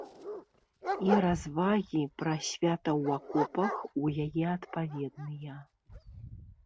І развагі пра свята ў акопах у яе адпаведныя.